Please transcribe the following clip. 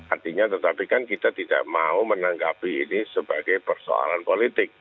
artinya tetapi kan kita tidak mau menanggapi ini sebagai persoalan politik